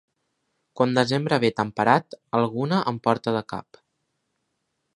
Quan desembre ve temperat, alguna en porta de cap.